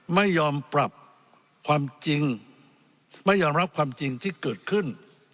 ไม่ยอมปรับความจริงไม่ยอมรับความจริงที่เกิดขึ้น